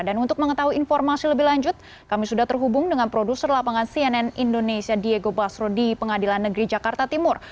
dan untuk mengetahui informasi lebih lanjut kami sudah terhubung dengan produser lapangan cnn indonesia diego basro di pengadilan negeri jakarta timur